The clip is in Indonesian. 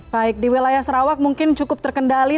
baik di wilayah sarawak mungkin cukup terkendali